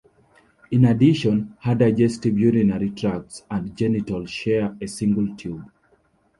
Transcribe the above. In addition, her digestive, urinary tracts and genitals share a single tube.